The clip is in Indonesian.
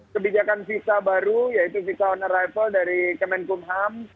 kebijakan visa baru yaitu visa on arrival dari kemenkumham